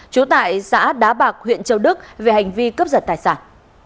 trú tại xã đá bạc huyện châu đức về hành vi cướp giật tài sản